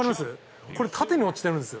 これ縦に落ちてるんですよ。